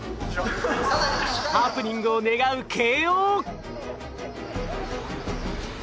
ハプニングを願う慶應！